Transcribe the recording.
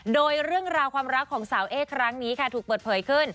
โดยเรื่องราวความรักของสาวเอ๊ครั้งนี้ค่ะถูกเปิดเผยขึ้น